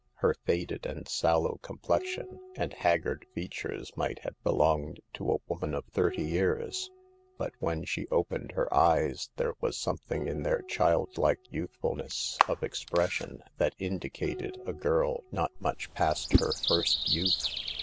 Her faded and sallow complexion and haggard features might have belonged to a woman of thirty years; but when she opened her eyes, there was some thing in their child like youthfulness of expres sion that indicated a girl not much past her first youth.